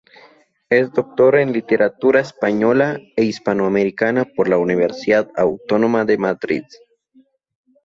Es doctor en literatura española e hispanoamericana por la Universidad Autónoma de Madrid.